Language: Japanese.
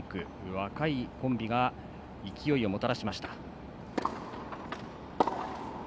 若いコンビが勢いをもたらしました。